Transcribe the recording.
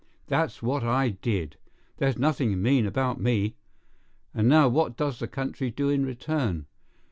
That's what I did. There's nothing mean about me! And now what does the country do in return?